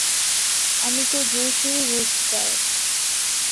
আমি তো জোশই, রুস্টার।